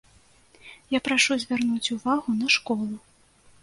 Я прашу звярнуць увагу на школу.